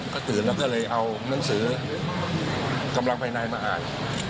ก็ตื่นแล้วก็เลยเอาหนังสือกำลังภายในมาอ่าน